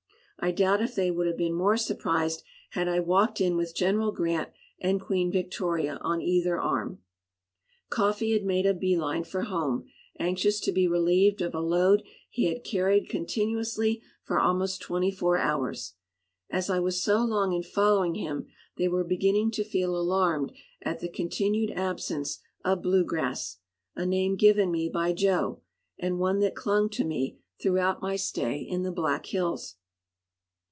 I doubt if they would have been more surprised had I walked in with General Grant and Queen Victoria on either arm. "Coffee" had made a bee line for home, anxious to be relieved of a load he had carried continuously for almost twenty four hours. As I was so long in following him, they were beginning to feel alarmed at the continued absence of "Blue Grass," a name given me by Joe, and one that clung to me throughout my stay in the Black Hills.